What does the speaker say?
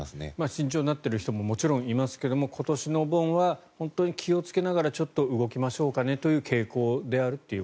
慎重になっている人もいますが今年のお盆は本当に気をつけながら動きましょうかねという傾向であると。